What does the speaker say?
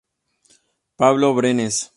Pablo Brenes